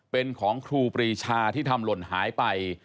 เป็นของครูปรีชาที่ทำหล่นหายไป